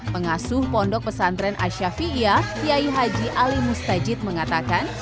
pengasuh pondok pesantren asyafi'iyah tiai haji ali mustajid mengatakan